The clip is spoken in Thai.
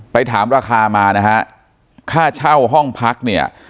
ถามราคามานะฮะค่าเช่าห้องพักเนี่ย